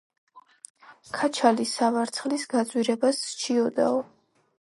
ქაჩალი სავარცხლის გაძვირებას სჩიოდაო